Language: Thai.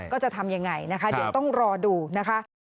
จะทำยังไงนะคะเดี๋ยวต้องรอดูนะคะ